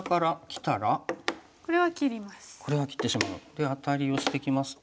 でアタリをしてきますと？